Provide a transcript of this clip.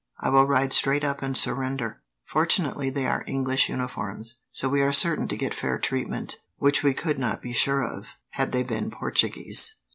I will ride straight up and surrender. Fortunately they are English uniforms, so we are certain to get fair treatment, which we could not be sure of, had they been Portuguese."